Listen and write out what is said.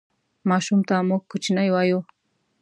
ماشوم ته موږ کوچنی وایو